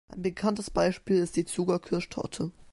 Ein bekanntes Beispiel ist die Zuger Kirschtorte.